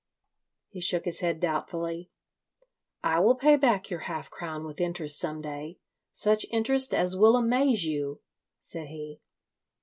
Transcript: He shook his head doubtfully. "I will pay back your half crown with interest some day—such interest as will amaze you," said he.